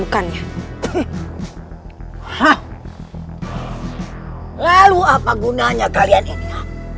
kalau pengguna ketaat nol